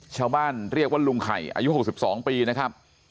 ชาวบ้านเรียกว่าลุงไข่อายุ๖๒ปีนะครับ